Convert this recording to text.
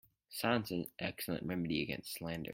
Silence is an excellent remedy against slander.